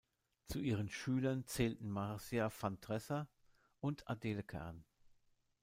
Zu ihren Schülern zählten Marcia van Dresser und Adele Kern.